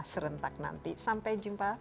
serentak nanti sampai jumpa